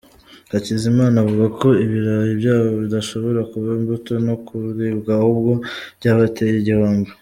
Hakizimana avuga ko ibirayi byabo bidashobora kuba imbuto no kuribwa ahubwo byabateye igihombo.